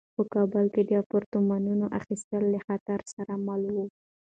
په کابل کې د اپارتمانونو اخیستل له خطر سره مل وو.